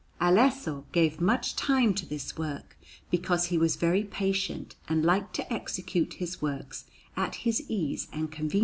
Alesso gave much time to this work, because he was very patient and liked to execute his works at his ease and convenience.